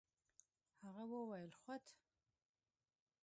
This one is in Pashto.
هغه وويل خود.